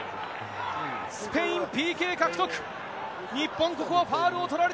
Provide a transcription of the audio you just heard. スペイン、ＰＫ獲得。